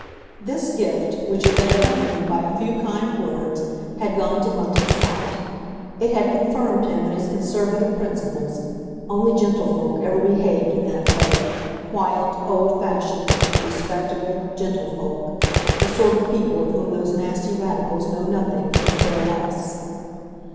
This gift, which had been accompanied by a few kind words, had gone to Bunting's heart. It had confirmed him in his Conservative principles; only gentlefolk ever behaved in that way; quiet, old fashioned, respectable, gentlefolk, the sort of people of whom those nasty Radicals know nothing and care less!